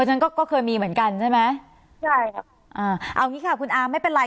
ฉันก็ก็เคยมีเหมือนกันใช่ไหมใช่ครับอ่าเอางี้ค่ะคุณอาไม่เป็นไร